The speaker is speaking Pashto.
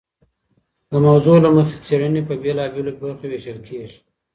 د موضوع له مخي څېړني په بیلابیلو برخو ویشل کیږي.